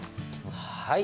はい。